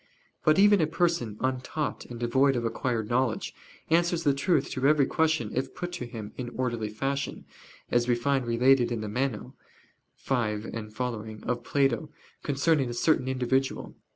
But even a person untaught and devoid of acquired knowledge, answers the truth to every question if put to him in orderly fashion, as we find related in the Meno (xv seqq.) of Plato, concerning a certain individual.